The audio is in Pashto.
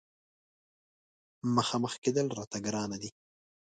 مخامخ کېدل راته ګرانه دي.